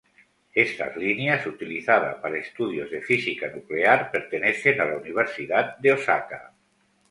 Estas líneas, utilizada para estudios de física nuclear, pertenecen a la Universidad de Osaka.